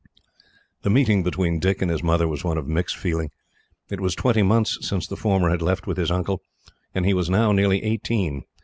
The meeting between Dick and his mother was one of mixed feeling. It was twenty months since the former had left with his uncle, and he was now nearly eighteen.